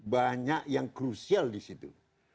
banyak yang krusial disitu